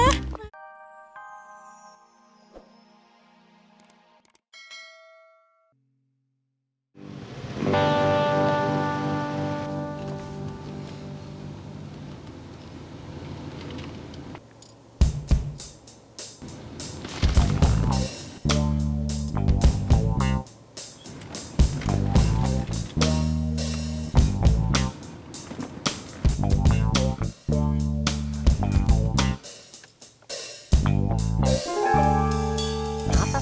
tunggu dong sabar